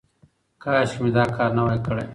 کاشکې مې دا کار نه وای کړی.